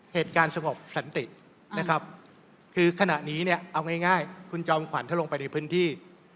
เหตุการณ์สงบสันตินะครับคือขณะนี้เนี่ยเอาง่ายคุณจอมขวัญถ้าลงไปในพื้นที่